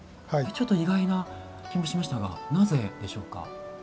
ちょっと意外な気もしましたがなぜでしょうか？